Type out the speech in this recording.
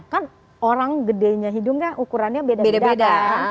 kan orang gedenya hidungnya ukurannya beda beda kan